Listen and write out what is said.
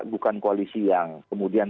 bukan koalisi yang kemudian